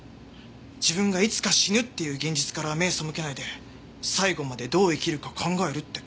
自分がいつか死ぬっていう現実から目背けないで最期までどう生きるか考えるって。